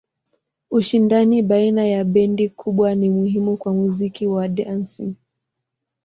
Ushindani baina ya bendi kubwa ni muhimu kwa muziki wa dansi.